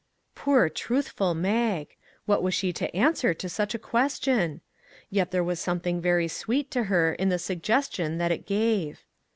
Poor truthful Mag! What was she to an swer to such a question? Yet there was some thing very sweet to her in the suggestion that it gave.